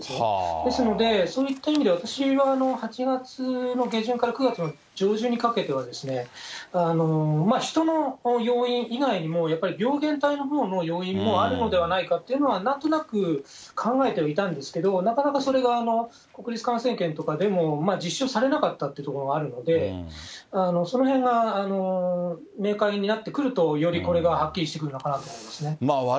ですので、そういった意味では私は８月の下旬から９月の上旬にかけては、人の要因以外にも、やっぱり病原体のほうの要因もあるのではないかっていうのは、なんとなく考えてはいたんですけど、なかなかそれが国立感染研とかでも実証されなかったっていうところがあるので、そのへんが明快になってくると、よりこれがはっきりしてくるのかなと思いますね。